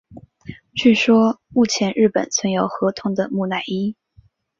据说目前日本存有河童的木乃伊。